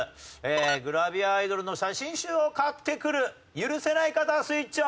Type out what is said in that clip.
グラビアアイドルの写真集を買ってくる許せない方はスイッチオン！